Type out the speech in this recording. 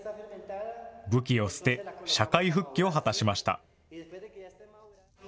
武器を捨て、社会復帰を果たしました。